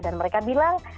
dan mereka bilang